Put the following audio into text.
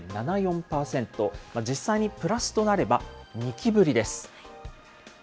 実際にプラスとなれば、２期ぶりです。